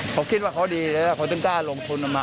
เขาคิดว่าเขาดีเลยเขาต้องการลงทุนมา